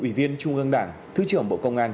ủy viên trung ương đảng thứ trưởng bộ công an